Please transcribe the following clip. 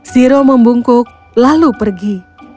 zero membungkuk lalu pergi